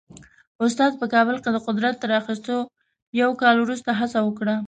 استاد په کابل کې د قدرت تر اخیستو یو کال وروسته هڅه وکړه.